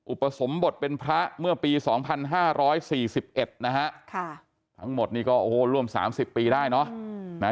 อุปสมบทเป็นพระเมื่อปี๒๕๔๑นะฮะทั้งหมดนี่ก็โอ้โหร่วม๓๐ปีได้เนาะ